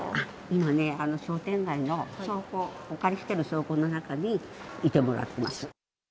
今ね、商店街の倉庫、お借りしている倉庫の中にいてもらってます。